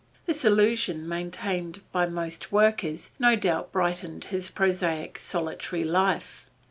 This illusion, maintained by most workers, no doubt brightened his prosaic, solitary life.